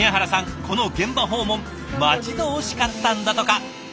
この現場訪問待ち遠しかったんだとか。